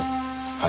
はい。